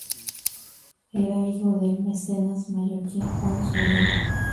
Era hijo del mecenas mallorquín Juan Sureda.